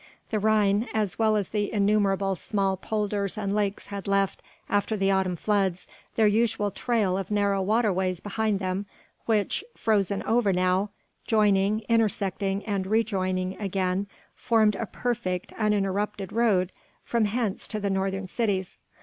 The Rhyn as well as the innumerable small polders and lakes had left after the autumn floods their usual trail of narrow waterways behind them which, frozen over now, joining, intersecting and rejoining again formed a perfect, uninterrupted road from hence to the northern cities.